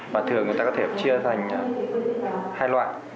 mà thường người ta có thể chia thành hai loại